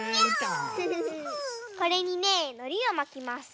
これにねのりをまきます。